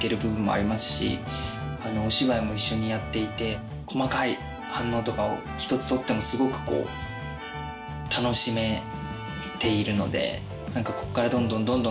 お芝居も一緒にやっていて細かい反応とかをひとつとってもすごく楽しめているのでここからどんどんどんどん。